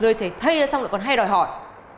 lời chảy thây ra xong còn hay đòi hỏi